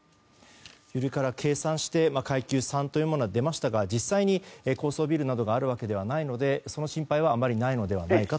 揺れから計算して階級３というものが出ましたが実際に高層ビルなどがあるわけではないのでその心配はあまりないのではと。